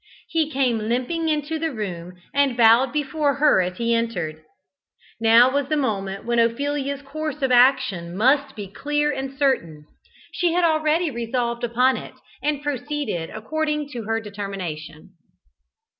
He came limping into the room, and bowed before her as he entered. Now was the moment when Ophelia's course of action must be clear and certain. She had already resolved upon it, and proceeded according to her determination.